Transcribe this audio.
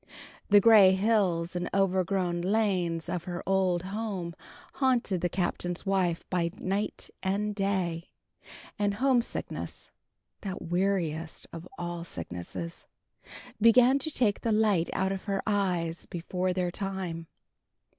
The grey hills and over grown lanes of her old home haunted the Captain's wife by night and day, and home sickness (that weariest of all sicknesses) began to take the light out of her eyes before their time.